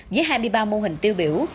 với hai mươi ba mô hình tiêu biểu